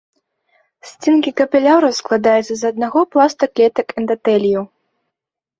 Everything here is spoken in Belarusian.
Сценкі капіляраў складаюцца з аднаго пласта клетак эндатэлію.